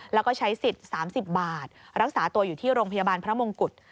แล้วก็ใช้สิทธิ์๓๐บาทรักษาตัวอยู่ที่โรงพยาบาลพระมงกุฎ